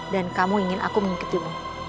dan kamu ingin aku mengikuti mu